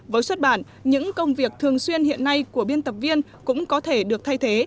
với xuất bản những công việc thường xuyên hiện nay của biên tập viên cũng có thể được thay thế